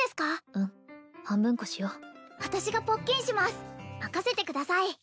うん半分こしよう私がポッキンします任せてください